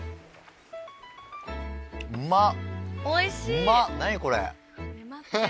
うまっ！